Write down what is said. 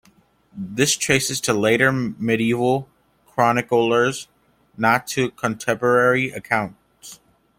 This traces to later medieval chroniclers, not to contemporary accounts.